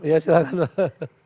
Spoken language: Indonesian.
iya silahkan pak